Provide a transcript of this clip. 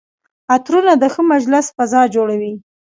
عطرونه د ښه مجلس فضا جوړوي.